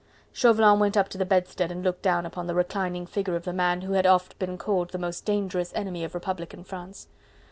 Chauvelin went up to the bedstead and looked down upon the reclining figure of the man who had oft been called the most dangerous enemy of Republican France.